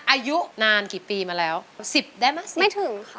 อายุนานกี่ปีมาแล้วสิบได้ไหมไม่ถึงค่ะ